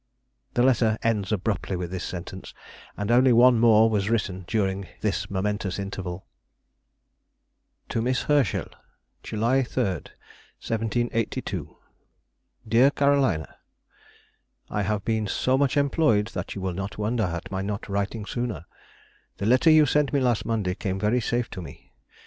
The letter ends abruptly with this sentence, and only one more was written during this momentous interval. [Sidenote: 1775 1782. Impending Changes.] TO MISS HERSCHEL. July 3, 1782. DEAR CAROLINA,— I have been so much employed that you will not wonder at my not writing sooner. The letter you sent me last Monday came very safe to me.